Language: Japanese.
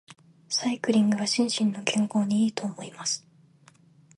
サイクリングは心身の健康に良いと思います。